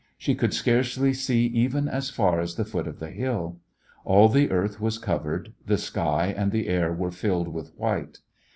She could scarcely see even as far as the foot of the hill. All the earth was covered, the sky and the air were filled with white.